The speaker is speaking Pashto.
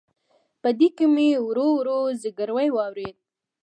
په دې کې مې ورو ورو زګیروي واورېد.